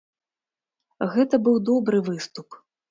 Гэта быў добры выступ.